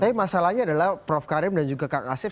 tapi masalahnya adalah prof karim dan juga kak asif